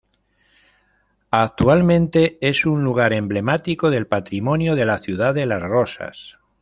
Actualmente es un lugar emblemático del patrimonio de "La Ciudad de las Rosas".